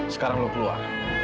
sekarang lo keluar